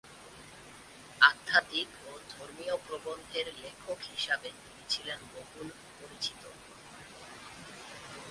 আধ্যাত্মিক ও ধর্মীয় প্রবন্ধের লেখক হিসাবে ছিলেন বহুল পরিচিত।